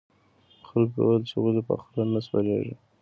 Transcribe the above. خلکو وویل چې ولې په خره نه سپریږې.